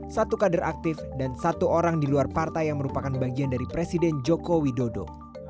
satu kader aktif dan satu orang di luar partai yang merupakan bagian dari presiden joko widodo